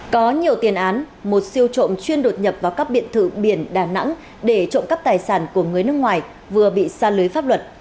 có nhiều tiền án một siêu trộm chuyên đột nhập vào các biệt thự biển đà nẵng để trộm cắp tài sản của người nước ngoài vừa bị xa lưới pháp luật